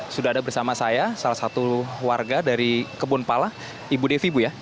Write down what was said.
sudah ada bersama saya salah satu warga dari kebun pala ibu devi bu ya